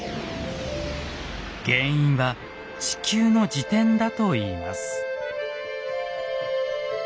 原因は地球の自転だといいます。